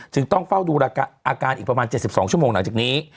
ต้องเฝ้าดูอาการอีกประมาณ๗๒ชั่วโมงหลังจากนี้